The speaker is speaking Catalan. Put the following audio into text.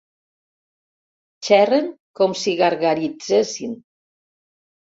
Xerren com si gargaritzessin.